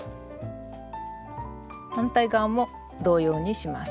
反対側も同様にします。